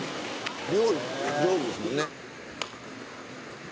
「料理上手ですもんね」